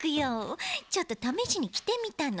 ちょっとためしにきてみたの。